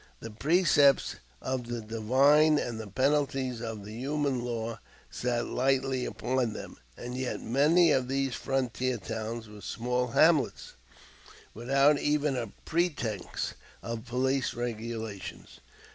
The precepts of the divine and the penalties of the human law sat lightly upon them. As yet many of these frontier towns were small hamlets, without even a pretext of police regulations.